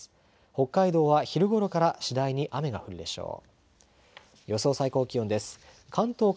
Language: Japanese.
北海道は昼ごろから次第に雨が降るでしょう。